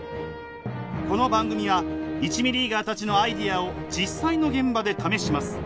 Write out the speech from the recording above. この番組は１ミリーガーたちのアイデアを実際の現場で試します。